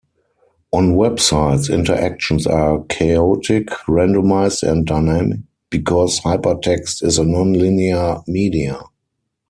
On websites, interactions are chaotic, randomized and dynamic because hypertext is a non-linear media.